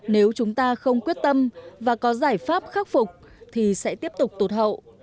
nếu chúng ta không quyết tâm và có giải pháp khắc phục thì sẽ tiếp tục tụt hậu